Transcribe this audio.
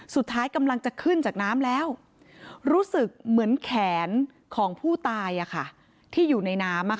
สุดท้ายกำลังจะขึ้นจากน้ำแล้วรู้สึกเหมือนแขนของผู้ตายที่อยู่ในน้ำ